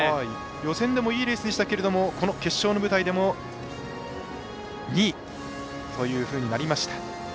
予選でもいいレースでしたがこの決勝の舞台でも２位というふうになりました。